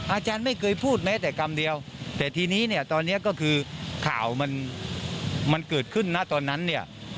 อาจารย์ไม่เคยพูดแม้แต่กรรมเดียวแต่ทีนี้เนี่ยตอนนี้ก็คือข่าวมันเกิดขึ้นนะตอนนั้นเนี่ย